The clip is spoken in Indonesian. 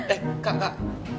eh kak kak